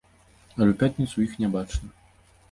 Але ў пятніцу іх не бачна.